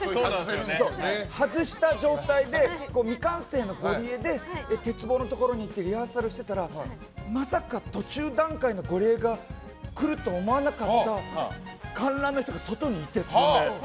外した状態で未完成のゴリエで鉄棒のところに行ってリハーサルしてたらまさか、途中段階のゴリエが来ると思わなかった観覧の人が外にいて、数名。